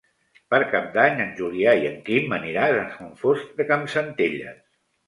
Per Cap d'Any en Julià i en Quim aniran a Sant Fost de Campsentelles.